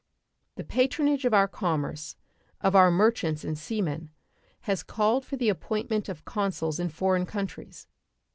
The patronage of our commerce, of our merchants and sea men, has called for the appointment of consuls in foreign countries.